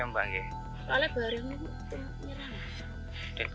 kalau bareng itu nyerah